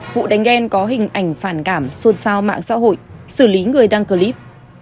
vụ đánh ghen có hình ảnh phản cảm xuân sao mạng xã hội xử lý người đăng clip